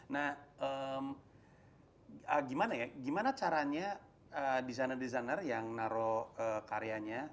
nah gimana ya gimana caranya designer designer yang naro karyanya